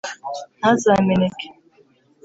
ntazameneke